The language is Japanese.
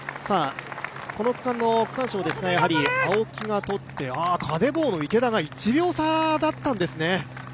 この区間に区間賞ですがやはり青木が取って、カネボウの池田が１秒差だったんですね。